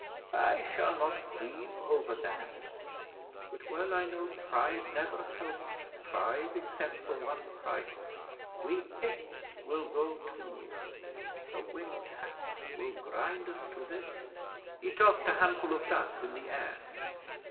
I shall not grieve over that, but well I know tribe never helps tribe except for one price. We Picts will go too. The Winged Hats will grind us to this!" He tossed a handful of dust in the air.